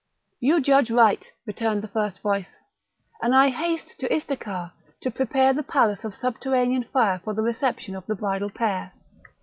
"You judge right," returned the first voice, "and I haste to Istakar to prepare the palace of subterranean fire for the reception of the bridal pair."